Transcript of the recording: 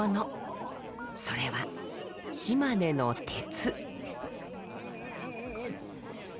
それは島根の鉄。